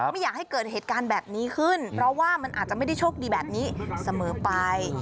ไม่อยากให้เกิดเหตุการณ์แบบนี้ขึ้นเพราะว่ามันอาจจะไม่ได้โชคดีแบบนี้เสมอไป